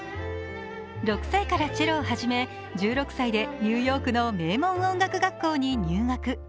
６歳からチェロを始め、１６歳でニューヨークの名門音楽学校に入学。